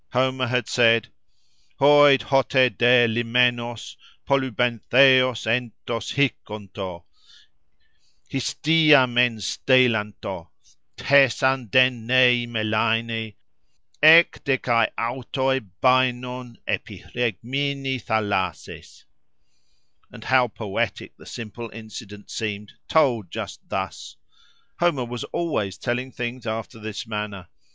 Homer had said— Hoi d' hote dê limenos polybentheos entos hikonto, Histia men steilanto, thesan d' en nêi melainê... Ek de kai autoi bainon epi phêgmini thalassês.+ And how poetic the simple incident seemed, told just thus! Homer was always telling things after this manner.